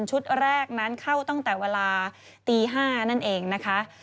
ชุดแรกนั้นเข้าตั้งแต่เวลาตี๕นั่นเองนะคะ